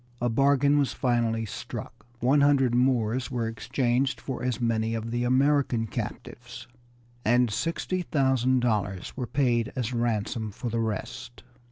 A bargain was finally struck. One hundred Moors were exchanged for as many of the American captives, and sixty thousand dollars were paid as ransom for the rest.